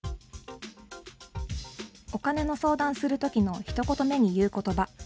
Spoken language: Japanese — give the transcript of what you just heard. お金の相談するときのひと言目に言うことば。